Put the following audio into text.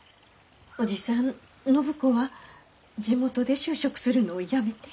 おじさん暢子は地元で就職するのをやめて。